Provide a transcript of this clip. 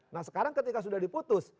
nah sekarang ketika sudah diputus